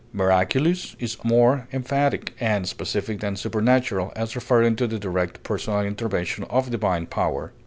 Miraculous is more emphatic and specific than supernatural, as referring to the direct personal intervention of divine power.